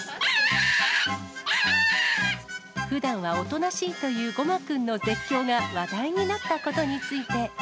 ふだんはおとなしいというごまくんの絶叫が話題になったことについて。